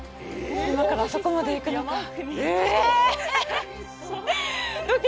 今からあそこまで行くのかええっ！